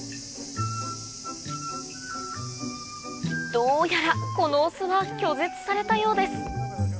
どうやらこのオスは拒絶されたようです